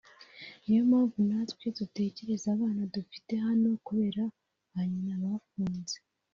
niyo mpamvu natwe dutekereza abana dufite hano kubera ba nyina bafunze